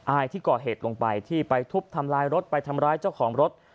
อายที่ก่อเหตุลงไปที่ไปทุบทำลายรถไปทำร้ายเจ้าของรถ